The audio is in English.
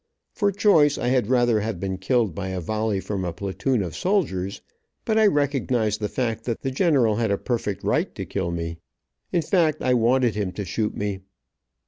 For choice I had rather have been killed by a volley from a platoon of soldiers, but I recognized the fact that the general had a perfect right to kill me. In fact I wanted him to shoot me.